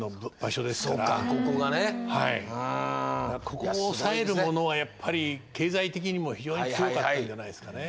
ここをおさえる者はやっぱり経済的にも非常に強かったんじゃないですかね。